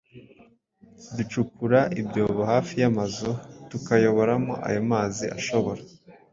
ducukura ibyobo hafi y’amazu tukayayoboramo. Ayo mazi ashobora